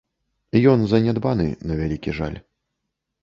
Ён занядбаны, на вялікі жаль.